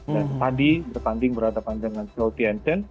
dan tadi bertanding berhadapan dengan seoul tnc